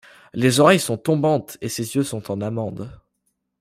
Les oreilles sont tombantes et ses yeux sont en amande.